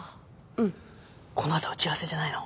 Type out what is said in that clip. うんこのあとは打ち合わせじゃないの？